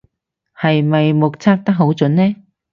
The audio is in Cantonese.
係咪目測得好準呢